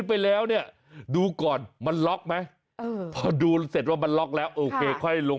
ปล่อยมือตกเพลิง